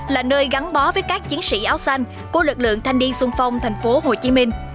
là nơi gắn bó với các chiến sĩ áo xanh của lực lượng thanh niên sung phong thành phố hồ chí minh